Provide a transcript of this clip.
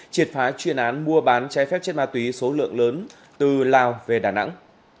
triệt phá chuyên án mua bán trái phép chất ma túy số lượng lớn từ lào về đà nẵng